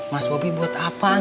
mas bobi buat apaan